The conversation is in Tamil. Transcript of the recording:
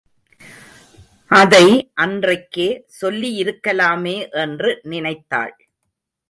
அதை அன்றைக்கே சொல்லியிருக்கலாமே என்று நினைத்தாள்.